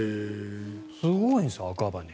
すごいんですよ、赤羽。